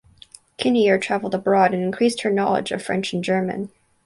Kinnear traveled abroad and increased her knowledge of French and German.